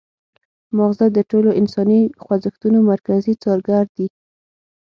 مغزه د ټولو انساني خوځښتونو مرکزي څارګر دي